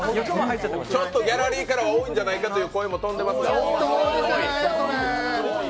ちょっとギャラリーからは多いんじゃないかという声も飛んでいますが。